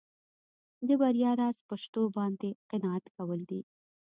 د بریا راز په شتو باندې قناعت کول دي.